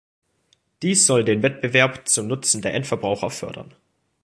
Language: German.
Dies soll den Wettbewerb zum Nutzen der Endverbraucher fördern.